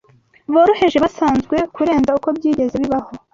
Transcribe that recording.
boroheje basanzwe kurenza uko byigeze bibabo